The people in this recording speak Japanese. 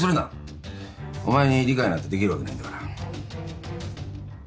お前に理解なんてできるわけないんだから。